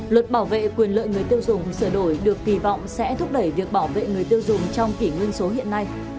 luật bảo vệ quyền lợi người tiêu dùng sửa đổi được kỳ vọng sẽ thúc đẩy việc bảo vệ người tiêu dùng trong kỷ nguyên số hiện nay